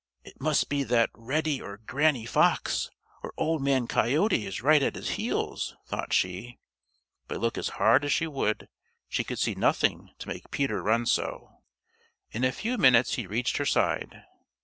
"It must be that Reddy or Granny Fox or Old Man Coyote is right at his heels," thought she, but look as hard as she would, she could see nothing to make Peter run so. In a few minutes he reached her side.